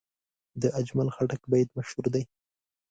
د اجمل خټک بیت مشهور دی.